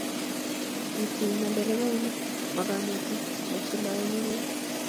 kitiny ma nderebainik, ma konetik, ma che loe mile.